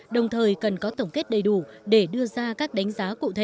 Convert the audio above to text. đồng thời cần có tổng kết đầy đủ để đưa ra các đánh giá cụ thể